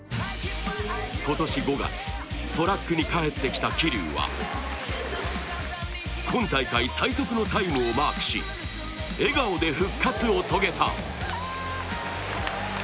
今年５月トラックに帰ってきた桐生は今大会最速のタイムをマークし笑顔で復活を遂げた